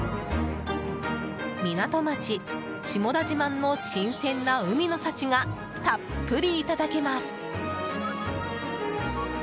港町、下田自慢の新鮮な海の幸がたっぷりいただけます。